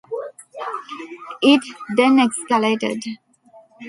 It then escalated.